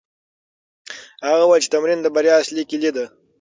هغه وویل چې تمرين د بریا اصلي کیلي ده.